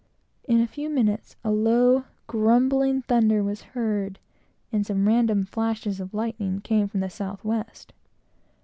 In a few minutes, low, grumbling thunder was heard, and some random flashes of lightning came from the south west.